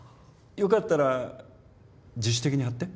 良かったら自主的に貼って？